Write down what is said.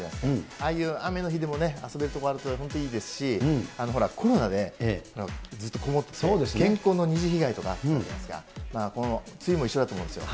ああいう雨の日でも遊べる所があると、本当いいですし、ほら、コロナでずっと込もってて、健康の二次被害とかあるじゃないですか、梅雨も一緒だと思うんですよ。